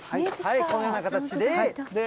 このような形で。